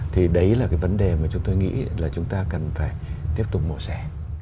thì đấy là cái vấn đề mà chúng tôi nghĩ là chúng ta cần phải tiếp tục mổ xẻ